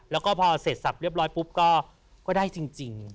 แล้วก็พอเสร็จสับเรียบร้อยปุ๊บก็ได้จริง